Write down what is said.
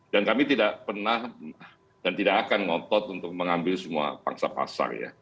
dan kami tidak pernah dan tidak akan ngotot untuk mengambil semua pangsa pasar